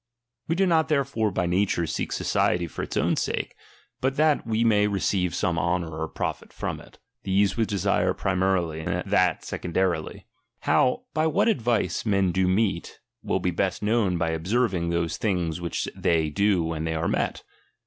We do not therefore by nature seek society for its own sake, but that we may receive some honour or profit from it ; these we desire primarily, that secondarily. How, by what advice, men do meet, will be best known by observing those things which they do when they are met.